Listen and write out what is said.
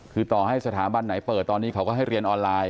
คือต่อให้สถาบันไหนเปิดตอนนี้เขาก็ให้เรียนออนไลน์